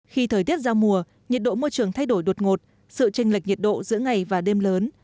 khi thời tiết ra mùa nhiệt độ môi trường thay đổi đột ngột sự tranh lệch nhiệt độ giữa ngày và đêm lớn